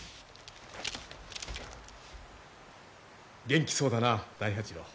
元気そうだな大八郎。